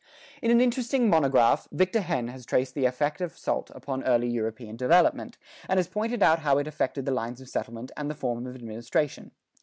In an interesting monograph, Victor Hehn[17:2] has traced the effect of salt upon early European development, and has pointed out how it affected the lines of settlement and the form of administration.